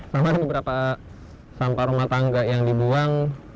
sama beberapa sampah rumah tangga yang dibuang